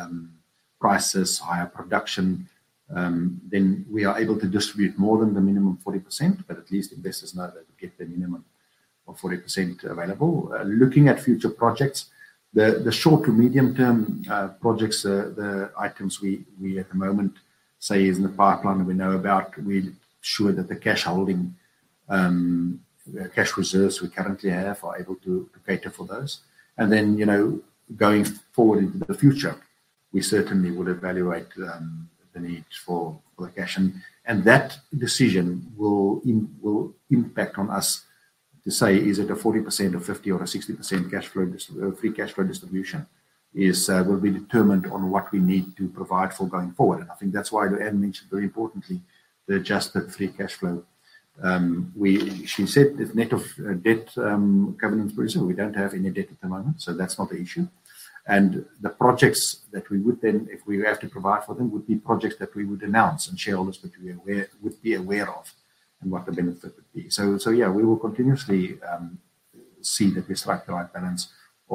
prices, higher production, then we are able to distribute more than the minimum 40%, but at least investors know that they'll get the minimum of 40% available. Looking at future projects, the short to medium-term projects, the items we at the moment say is in the pipeline and we know about, we're sure that the cash holding, cash reserves we currently have are able to cater for those. Going forward into the future, we certainly would evaluate the needs for the cash. That decision will impact on us to say, is it a 40% or 50% or a 60% free cash flow distribution, will be determined on what we need to provide for going forward. I think that's why Anne mentioned very importantly the adjusted free cash flow. She said it's net of debt, governance reason. We don't have any debt at the moment, so that's not the issue. The projects that we would then, if we have to provide for them, would be projects that we would announce, and shareholders would be aware of and what the benefit would be. Yeah, we will continuously see that we strike the right balance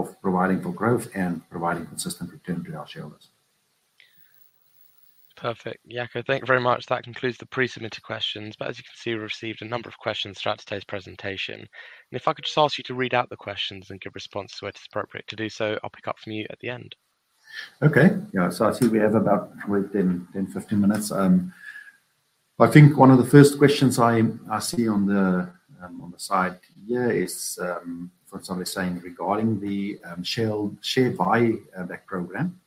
of providing for growth and providing consistent return to our shareholders. Perfect. Jaco, thank you very much. That concludes the pre-submitted questions, but as you can see, we've received a number of questions throughout today's presentation. If I could just ask you to read out the questions and give responses where it's appropriate to do so, I'll pick up from you at the end. Okay. Yeah. I see we have about 10 to 15 minutes. I think one of the first questions I see on the side here is somebody saying regarding the share buyback program,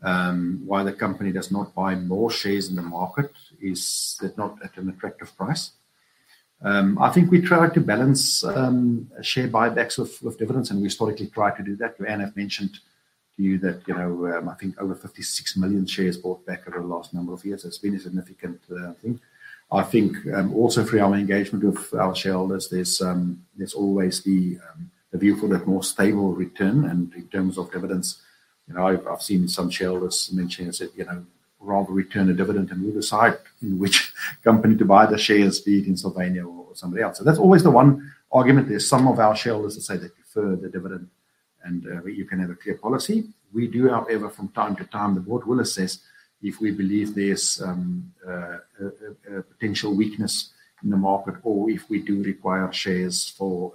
why the company does not buy more shares in the market. Is it not at an attractive price? I think we try to balance share buybacks with dividends, and we historically try to do that. Anne have mentioned to you that, I think over 56 million shares bought back over the last number of years. It's been a significant thing. I think, also through our engagement with our shareholders, there's always the view for that more stable return. In terms of dividends, I've seen some shareholders mention and said, "Rather return a dividend and decide which company to buy the shares, be it in Sylvania or somebody else." That's always the one argument. There's some of our shareholders that say they prefer the dividend and where you can have a clear policy. We do, however, from time to time, the board will assess if we believe there's a potential weakness in the market or if we do require shares for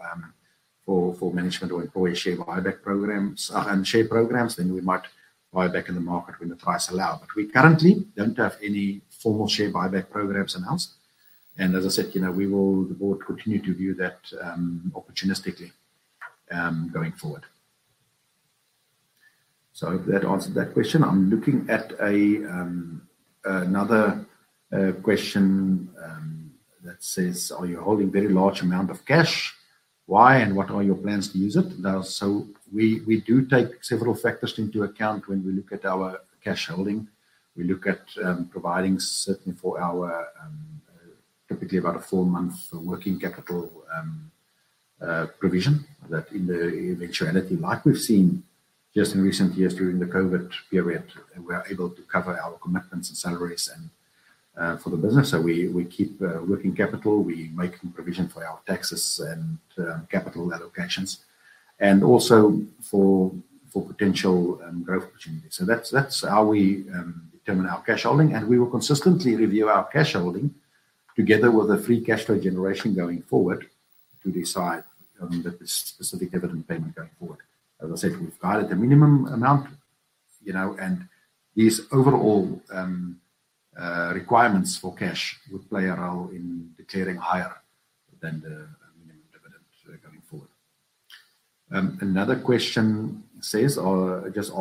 management or employee share buyback programs and share programs, then we might buy back in the market when the price allow. We currently don't have any formal share buyback programs announced. As I said, the board continue to view that opportunistically going forward. I hope that answered that question. I'm looking at another question that says, "Are you holding very large amount of cash? Why, and what are your plans to use it?" We do take several factors into account when we look at our cash holding. We look at providing certainly for our, typically about a four months working capital provision that in the eventuality, like we've seen just in recent years during the COVID period, we are able to cover our commitments and salaries and for the business. We keep working capital. We make provision for our taxes and capital allocations and also for potential growth opportunities. That's how we determine our cash holding, and we will consistently review our cash holding together with the free cash flow generation going forward to decide on the specific dividend payment going forward. As I said, we've guided the minimum amount, and these overall requirements for cash would play a role in declaring higher than the minimum dividend going forward. Another question says, "Is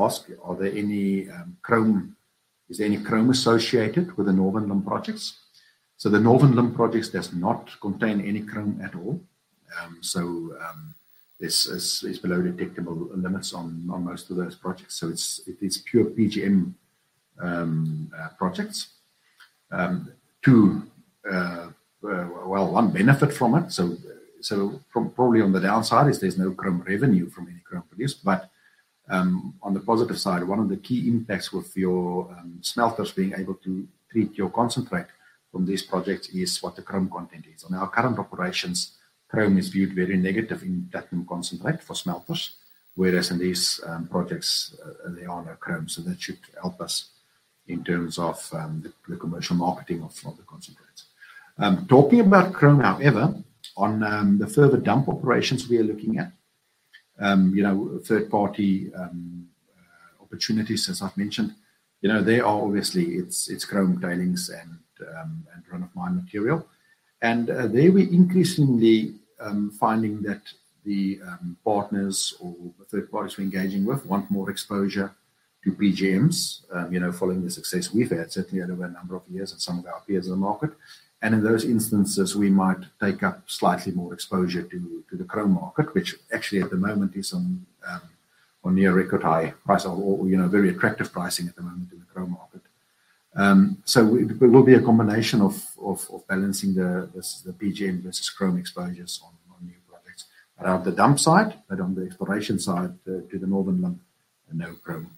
there any chrome associated with the Northern Limb projects?" The Northern Limb projects does not contain any chrome at all. It's below detectable limits on most of those projects. It is pure PGM projects. Well, one benefit from it. Probably on the downside is there's no chrome revenue from any chrome produced. On the positive side, one of the key impacts with your smelters being able to treat your concentrate from this project is what the chrome content is. On our current operations, chrome is viewed very negative in platinum concentrate for smelters. Whereas in these projects, there is no chrome, so that should help us in terms of the commercial marketing of the concentrates. Talking about chrome, however, on the further dump operations we are looking at, third-party opportunities as I've mentioned. They are obviously it's chrome tailings and run-of-mine material. There we're increasingly finding that the partners or the third parties we're engaging with want more exposure to PGMs, following the success we've had certainly over a number of years with some of our peers in the market. In those instances, we might take up slightly more exposure to the chrome market, which actually at the moment is on or near record high price or very attractive pricing at the moment in the chrome market. It will be a combination of balancing the PGM versus chrome exposures on new projects around the dump site, but on the exploration side, to the Northern Limb, no chrome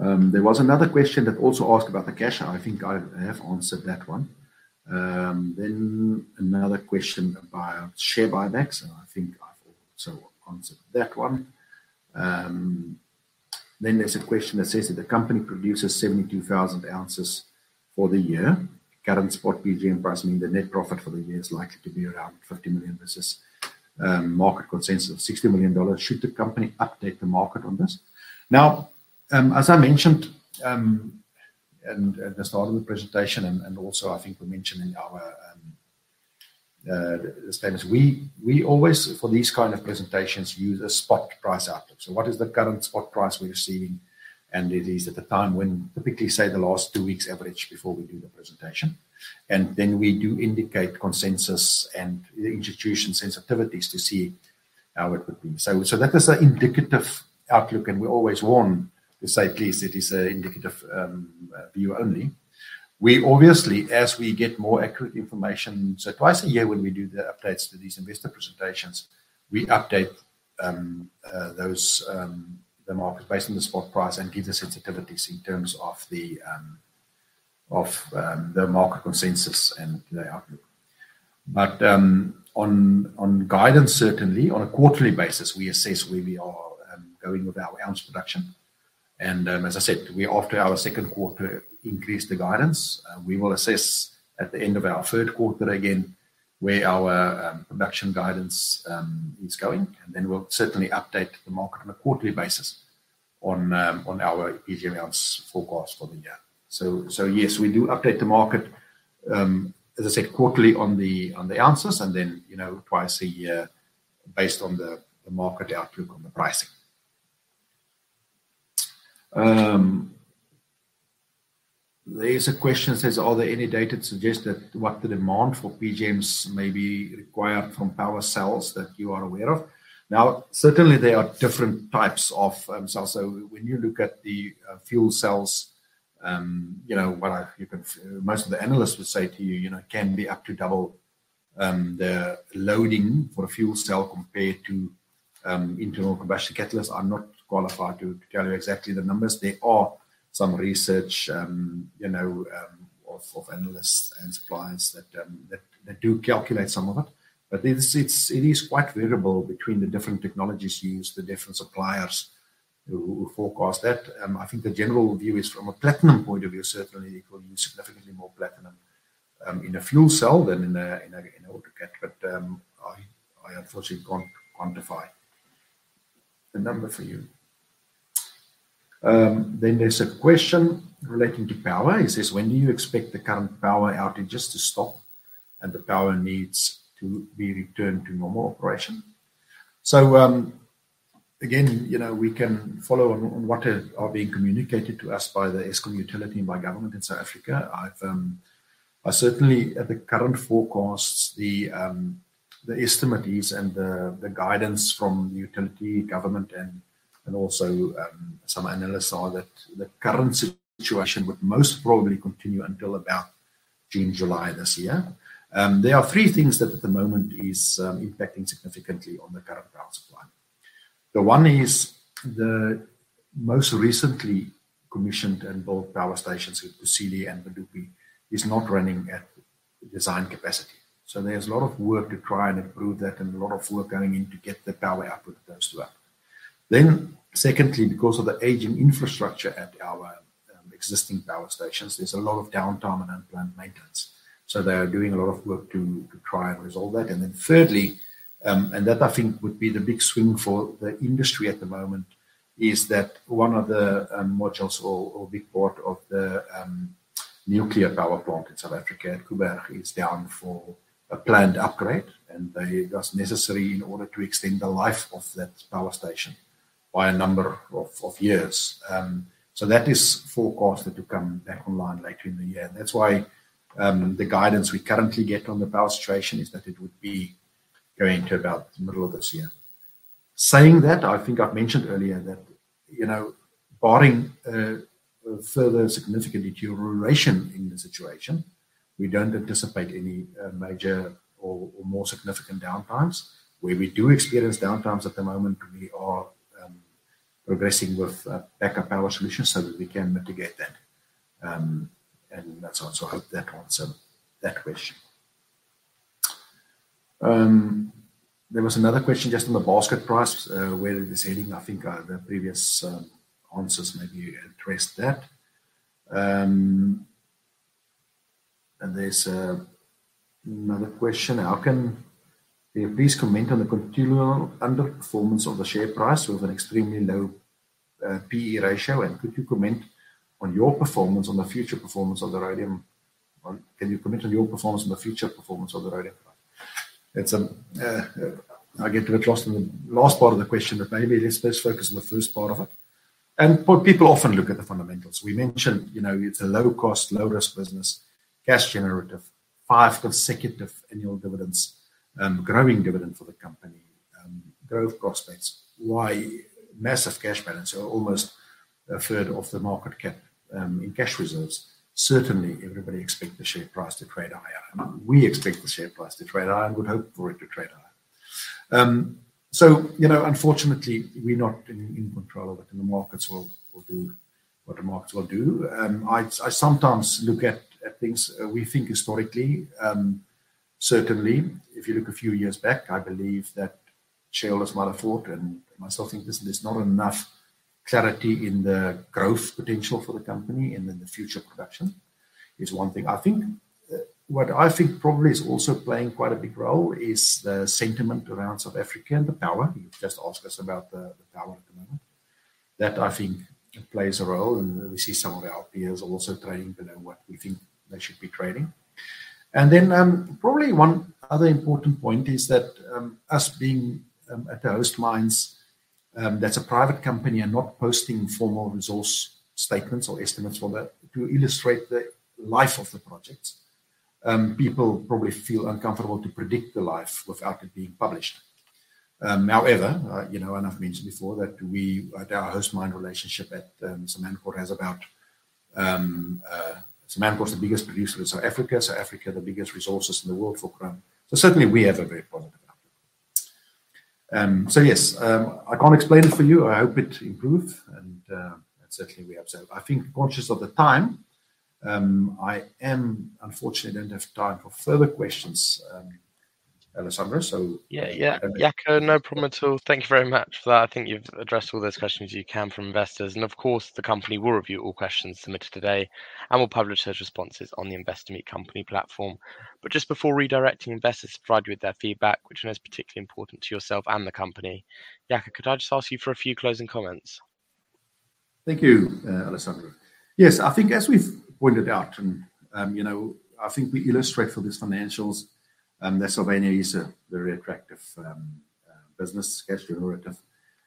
involved. There was another question that also asked about the cash. I think I have answered that one. Another question about share buybacks, and I think I've also answered that one. There's a question that says that the company produces 72,000 ounces for the year. Current spot PGM price means the net profit for the year is likely to be around $50 million versus market consensus of $60 million. Should the company update the market on this? Now, as I mentioned, at the start of the presentation and also I think we mentioned in our statements. We always, for these kind of presentations, use a spot price outlook. What is the current spot price we're receiving? It is at the time when typically, say, the last two weeks average before we do the presentation. Then we do indicate consensus and institutional sensitivities to see how it would be. That is an indicative outlook, and we always warn to say, please, it is an indicative view only. We obviously, as we get more accurate information, so twice a year when we do the updates to these investor presentations, we update the market based on the spot price and give the sensitivities in terms of the market consensus and the outlook. On guidance, certainly on a quarterly basis, we assess where we are going with our ounce production. As I said, we after our second quarter increased the guidance. We will assess at the end of our third quarter again where our production guidance is going, and then we'll certainly update the market on a quarterly basis on our PGM ounce forecast for the year. Yes, we do update the market, as I said, quarterly on the ounces and then twice a year based on the market outlook on the pricing. There's a question that says, are there any data to suggest what the demand for PGMs may be required for fuel cells that you are aware of? Now, certainly there are different types of cells. When you look at the fuel cells, most of the analysts would say to you, it can be up to double the loading for a fuel cell compared to internal combustion catalysts. I'm not qualified to tell you exactly the numbers. There are some research of analysts and suppliers that do calculate some of it. It is quite variable between the different technologies used, the different suppliers who forecast that. I think the general view is from a platinum point of view, certainly it will use significantly more platinum in a fuel cell than in an auto cat. I unfortunately can't quantify the number for you. There's a question relating to power. It says, when do you expect the current power outages to stop and the power needs to be returned to normal operation? Again, we can follow on what are being communicated to us by the Eskom utility and by government in South Africa. I certainly at the current forecasts, the estimate is and the guidance from utility, government, and also some analysts are that the current situation would most probably continue until about June, July this year. There are three things that at the moment is impacting significantly on the current power supply. The one is the most recently commissioned and built power stations, Kusile and Medupi, are not running at design capacity. There's a lot of work to try and improve that and a lot of work going in to get the power output of those two up. Secondly, because of the aging infrastructure at our existing power stations, there's a lot of downtime and unplanned maintenance. They are doing a lot of work to try and resolve that. Thirdly, that I think would be the big swing for the industry at the moment is that one of the modules or a big part of the nuclear power plant in South Africa, at Koeberg, is down for a planned upgrade, and that's necessary in order to extend the life of that power station by a number of years. That is forecasted to come back online later in the year. That's why the guidance we currently get on the power situation is that it would be going to about the middle of this year. Saying that, I think I've mentioned earlier that, barring a further significant deterioration in the situation, we don't anticipate any major or more significant downtimes. Where we do experience downtimes at the moment, we are progressing with backup power solutions so that we can mitigate that. That's all. I hope that answered that question. There was another question just on the basket price, where it is heading. I think the previous answers maybe addressed that. There's another question: how can you please comment on the continual under-performance of the share price with an extremely low P/E ratio, and could you comment on your performance on the future performance of the rhodium? Can you comment on your performance and the future performance of the rhodium? I get a bit lost in the last part of the question, but maybe let's first focus on the first part of it. What people often look at the fundamentals. We mentioned, it's a low-cost, low-risk business, cash generative, five consecutive annual dividends, growing dividend for the company, growth prospects, massive cash balance or almost a third of the market cap in cash reserves. Certainly, everybody expects the share price to trade higher. We expect the share price to trade higher and would hope for it to trade higher. Unfortunately, we're not in control of it, and the markets will do what the markets will do. I sometimes look at things we think historically, certainly, if you look a few years back, I believe that shareholders might have thought, and myself think this, there's not enough clarity in the growth potential for the company, and then the future production is one thing. What I think probably is also playing quite a big role is the sentiment around South Africa and the power. You just asked us about the power at the moment. That, I think, plays a role, and we see some of our peers also trading below what we think they should be trading. Then, probably one other important point is that, us being at the host mines, that's a private company and not posting formal resource statements or estimates for that to illustrate the life of the project. People probably feel uncomfortable to predict the life without it being published. However, I've mentioned before that our host mine relationship at Samancor has about. Samancor is the biggest producer in South Africa. South Africa, the biggest resources in the world for chrome. Certainly, we have a very positive outlook. Yes, I can't explain it for you. I hope it improves, and certainly, we observe. I think, conscious of the time, I unfortunately don't have time for further questions, Alessandro, so. Yeah. Jaco, no problem at all. Thank you very much for that. I think you've addressed all those questions you can from investors, and of course, the company will review all questions submitted today and will publish those responses on the InvestorMeetCompany platform. Just before redirecting investors to provide you with their feedback, which I know is particularly important to yourself and the company, Jaco, could I just ask you for a few closing comments? Thank you, Alessandro. Yes, I think as we've pointed out, and I think we illustrate for these financials, that Sylvania is a very attractive business, cash generative,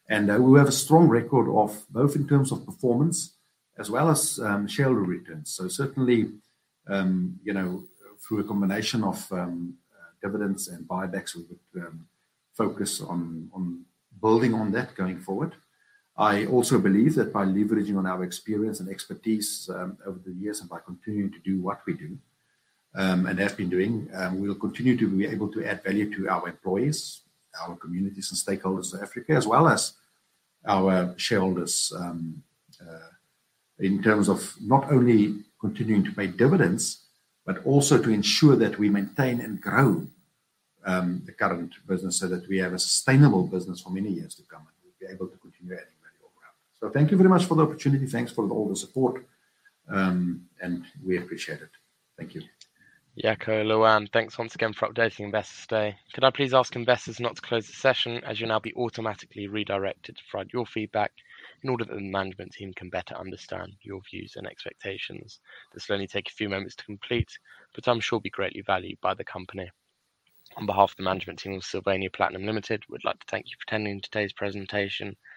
and we have a strong record of both in terms of performance as well as shareholder returns. Certainly, through a combination of dividends and buybacks, we would focus on building on that going forward. I also believe that by leveraging on our experience and expertise over the years, and by continuing to do what we do, and have been doing, we will continue to be able to add value to our employees, our communities, and stakeholders in South Africa, as well as our shareholders, in terms of not only continuing to pay dividends, but also to ensure that we maintain and grow the current business so that we have a sustainable business for many years to come, and we'll be able to continue adding value overall. Thank you very much for the opportunity. Thanks for all the support, and we appreciate it. Thank you. Jaco, Lewanne, and thanks once again for updating investors today. Could I please ask investors not to close the session as you'll now be automatically redirected to provide your feedback in order that the management team can better understand your views and expectations. This will only take a few moments to complete, but I'm sure will be greatly valued by the company. On behalf of the management team of Sylvania Platinum Limited, we'd like to thank you for attending today's presentation.